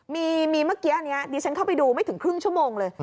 มีเมื่อกี้อันนี้ดิฉันเข้าไปดูไม่ถึงครึ่งชั่วโมงเลย